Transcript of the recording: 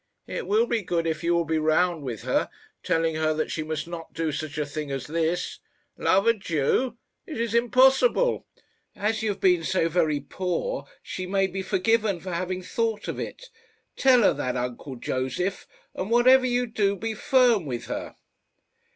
"It will be good if you will be round with her, telling her that she must not do such a thing as this. Love a Jew! It is impossible. As you have been so very poor, she may be forgiven for having thought of it. Tell her that, uncle Josef; and whatever you do, be firm with her."